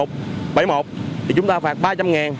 thì chúng ta phạt ba trăm linh ngàn